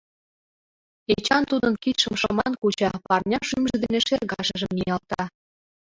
Эчан тудын кидшым шыман куча, парня шӱмжӧ дене шергашыжым ниялта.